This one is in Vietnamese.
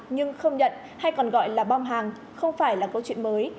nhưng không nhận hay còn gọi là bom hàng không phải là câu chuyện mới